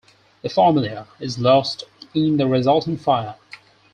The formula is lost in the resulting fire.